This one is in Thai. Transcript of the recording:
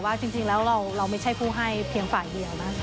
จริงแล้วเราไม่ใช่ผู้ให้เพียงฝ่ายเดียวนะ